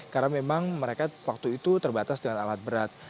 karena memang mereka waktu itu terbatas dengan alat berat